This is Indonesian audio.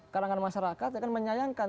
kalangan masyarakat mereka menyayangkan